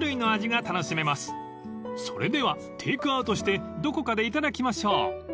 ［それではテークアウトしてどこかでいただきましょう］